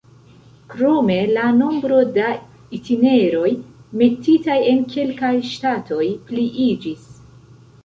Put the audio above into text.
Krome, la nombro da itineroj metitaj en kelkaj ŝtatoj pliiĝis.